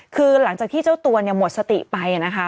คือหลังจากที่เจ้าตัวเนี่ยหมดสติไปนะคะ